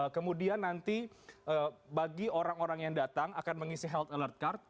kemudian nanti bagi orang orang yang datang akan mengisi health alert card